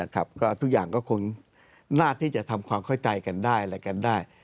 ก็ทุกอย่างก็คงน่าที่จะทำความเข้าใจกันได้อะไรกันได้